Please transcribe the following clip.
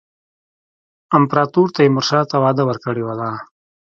امپراطور تیمورشاه ته وعده ورکړې ده.